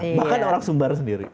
bahkan orang sumbar sendiri